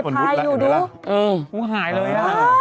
พูดหายเลย